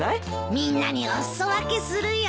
みんなにお裾分けするよ。